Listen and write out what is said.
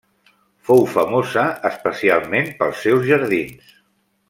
Fou famosa especialment pels seus jardins.